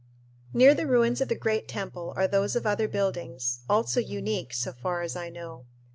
Near the ruins of the great temple are those of other buildings, also unique, so far as I know.